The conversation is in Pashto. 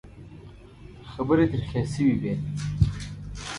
خبرې ترخې شوې وې.